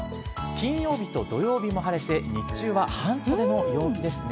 金曜日と土曜日も晴れて日中は半袖の陽気ですね。